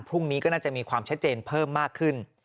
พรุ่งนี้ก็น่าจะมีความชัดเจนเพิ่มมากขึ้น